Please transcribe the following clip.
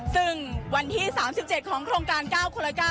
ซึ่งวันที่๓๗ของโครงการ๙คนละ๙